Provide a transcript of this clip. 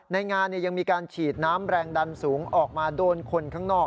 ในงานยังมีการฉีดน้ำแรงดันสูงออกมาโดนคนข้างนอก